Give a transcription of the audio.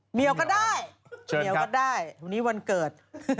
เหนียวก็ได้วันนี้วันเกิด